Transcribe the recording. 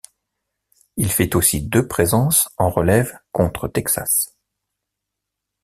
Il fait aussi deux présences en relève contre Texas.